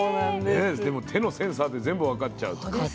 手のセンサーで全部分かっちゃうと。